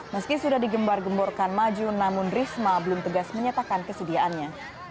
meski sudah digembar gemborkan maju namun risma belum tegas menyatakan kesediaannya